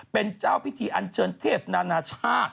เป็นเจ้าอาจารย์ที่เป็นพิธีอันเชิญเทพนานาชาติ